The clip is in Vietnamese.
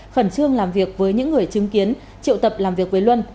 khẩn trương làm việc với những người chứng kiến triệu tập làm việc với luân